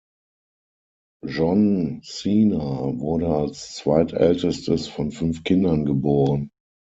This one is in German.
John Cena wurde als zweitältestes von fünf Kindern geboren.